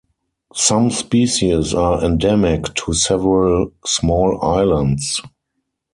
Some species are endemic to several small islands.